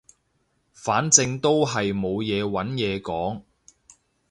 反正都係冇嘢揾嘢講